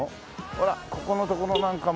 ほらここの所なんかも。